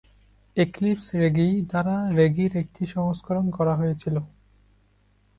Eclipse রেগি দ্বারা রেগির একটি সংস্করণ করা হয়েছিল।